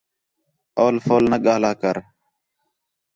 اول فول نہ ڳاھلا کر